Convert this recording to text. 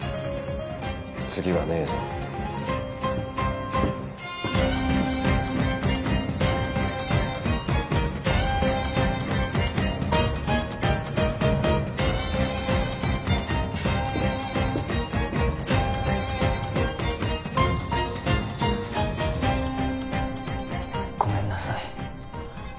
次はねえぞごめんなさい